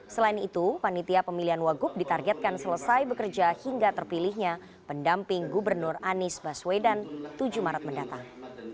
selain itu panitia pemilihan wagup ditargetkan selesai bekerja hingga terpilihnya pendamping gubernur anies baswedan tujuh maret mendatang